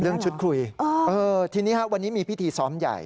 เรื่องชุดคุยเออทีนี้ครับวันนี้มีพิธีซ้อมใหญ่